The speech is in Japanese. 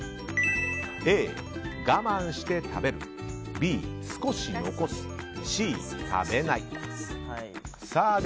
Ａ、我慢して食べるＢ、少し残すＣ、食べない。